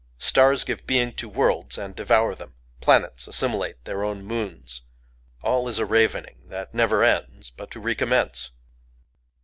Stars give being to worlds and devour them; planets assimilate their own moons. All is a ravening that never ends but to recommence.